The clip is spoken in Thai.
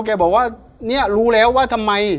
แกบอกว่าเนี่ยรู้แล้วว่าทำไม